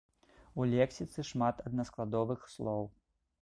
У лексіцы шмат аднаскладовых слоў.